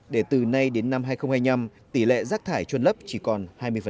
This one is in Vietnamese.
để từ nay đến năm hai nghìn hai mươi năm tỷ lệ rác thải trôn lấp chỉ còn hai mươi